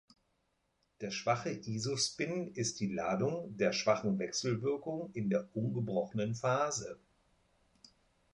Der schwache Isospin ist die Ladung der schwachen Wechselwirkung in der ungebrochenen Phase.